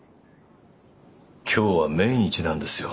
今日は命日なんですよ